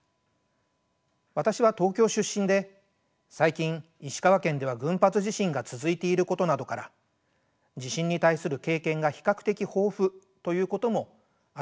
私は東京出身で最近石川県では群発地震が続いていることなどから地震に対する経験が比較的豊富ということもあるかと思います。